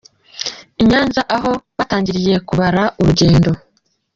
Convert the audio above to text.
i Nyanza aho batangiriye kubara urugendo.